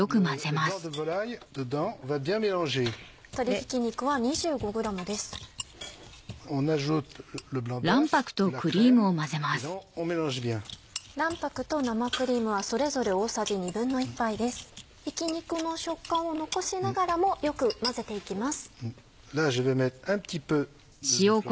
ひき肉の食感を残しながらもよく混ぜて行きます。